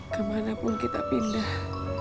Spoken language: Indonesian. kemanapun kita pindah